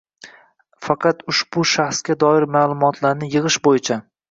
faqat ushbu shaxsga doir ma’lumotlarni yig‘ish bo‘yicha